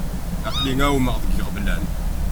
Aql-i εummeɣ deg iɣeblan.